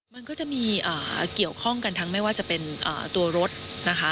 มันก็จะมีเกี่ยวข้องกันทั้งไม่ว่าจะเป็นตัวรถนะคะ